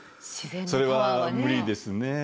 それは無理ですね。